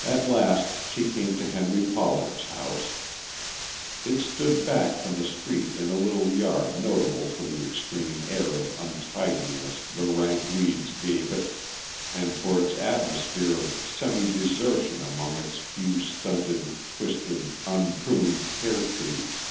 At last she came to Henry Pollard's house. It stood back from the street in a little yard notable for the extreme air of untidiness the rank weeds gave it and for its atmosphere of semi desertion among its few stunted, twisted, unpruned pear trees.